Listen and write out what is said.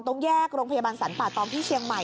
ตรงแยกโรงพยาบาลสรรป่าตองที่เชียงใหม่